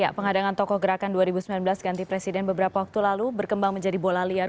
pengadangan tokoh gerakan dua ribu sembilan belas ganti presiden beberapa waktu lalu berkembang menjadi bola liar